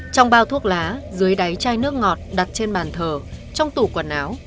trong bao thuốc lá dưới đáy chai nước ngọt đặt trên bàn thờ trong tủ quần áo